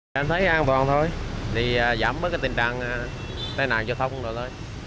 thế thì an toàn thôi thì giảm mất cái tình trạng tai nạn giao thông rồi đấy